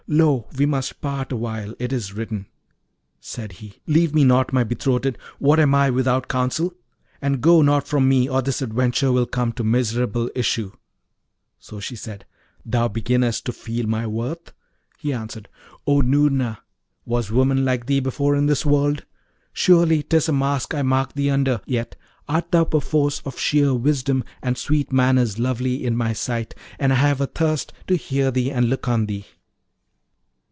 Lo, we must part awhile: it is written.' Said he, 'Leave me not, my betrothed: what am I without thy counsel? And go not from me, or this adventure will come to miserable issue.' So she said, 'Thou beginnest to feel my worth?' He answered, 'O Noorna! was woman like thee before in this world? Surely 'tis a mask I mark thee under; yet art thou perforce of sheer wisdom and sweet manners lovely in my sight; and I have a thirst to hear thee and look on thee.'